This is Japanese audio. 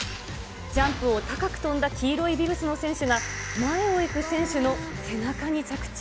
ジャンプを高く飛んだ黄色いビブスの選手が、前を行く選手の背中